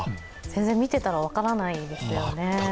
全然見ていたら分からないですよね。